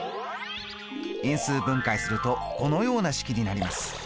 因数分解するとこのような式になります。